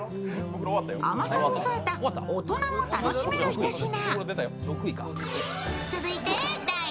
甘さを抑えた大人も楽しめるひと品。